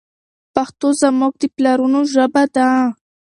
پښتو زموږ د پلرونو ژبه ده.